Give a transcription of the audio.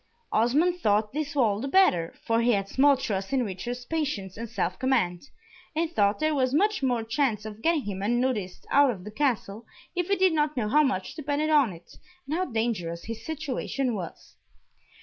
Osmond thought this all the better, for he had small trust in Richard's patience and self command, and thought there was much more chance of getting him unnoticed out of the Castle, if he did not know how much depended on it, and how dangerous his situation was.